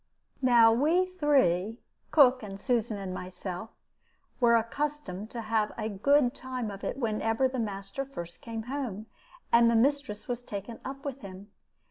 "Now we three (cook and Susan and myself) were accustomed to have a good time of it whenever the master first came home and the mistress was taken up with him.